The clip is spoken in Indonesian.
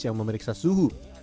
yang memeriksa suhu